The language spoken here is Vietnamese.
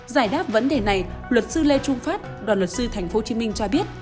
giải đáp vấn đề này luật sư lê trung phát đoàn luật sư tp hcm cho biết